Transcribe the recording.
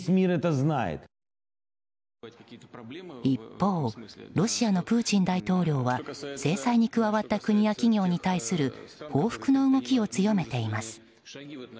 一方ロシアのプーチン大統領は制裁に加わった国や企業に対する報復の動きを強めています。